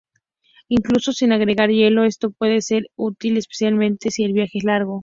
Incluso sin agregar hielo, esto puede ser útil, especialmente si el viaje es largo.